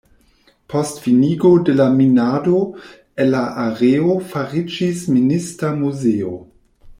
Post finigo de la minado el la areo fariĝis Minista muzeo.